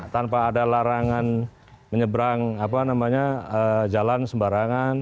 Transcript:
tanpa ada larangan menyeberang jalan sembarangan